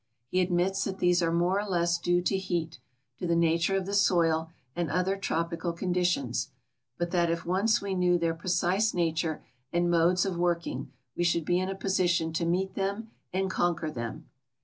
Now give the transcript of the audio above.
He admits that these are more or less due to heat, to the nature of the soil, and other trop ical conditions, but that if once we knew their precise nature and modes of working we should be in a position to meet them and conquer them.